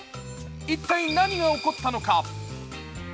一体、何が起こったのか？